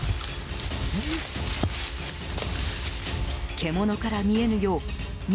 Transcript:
獣から見えぬよう道